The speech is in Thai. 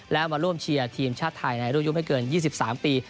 แล้วมาร่วมเชียร์ทีมชาติไทยในรุ่นยุคไม่เกิน๒๓ปี